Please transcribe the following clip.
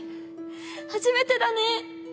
初めてだね！